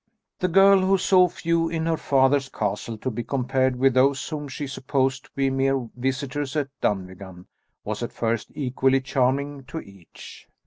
The girl, who saw few in her father's castle to be compared with those whom she supposed to be mere visitors at Dunvegan, was at first equally charming to each.